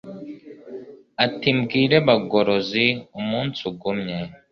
ati mbwire bagorozi umunsi ugumye